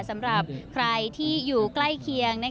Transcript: สำหรับใครที่อยู่ใกล้เคียง